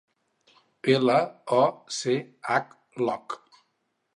Ela o ce hac, loch.